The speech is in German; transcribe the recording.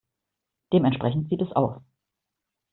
Dementsprechend sieht es aus.